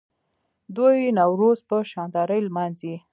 دوی نوروز په شاندارۍ لمانځي.